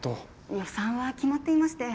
予算は決まっていまして。